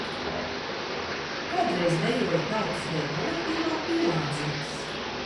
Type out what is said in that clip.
Kādreiz dejoju tautas deju kolektīvā “Pīlādzītis”.